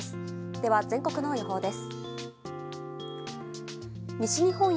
では全国の予報です。